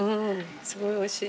すごいおいしい。